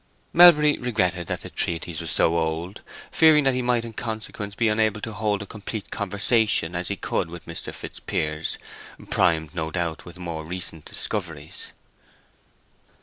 Melbury regretted that the treatise was so old, fearing that he might in consequence be unable to hold as complete a conversation as he could wish with Mr. Fitzpiers, primed, no doubt, with more recent discoveries.